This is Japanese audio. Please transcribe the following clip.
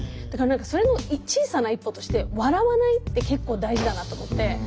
だからそれの小さな一歩として笑わないって結構大事だなと思って。